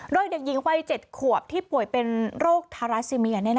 โดยเด็กหญิงวัย๗ขวบที่ป่วยเป็นโรคทาราซิเมีย